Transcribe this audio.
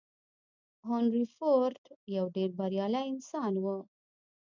هنري فورډ يو ډېر بريالی انسان و.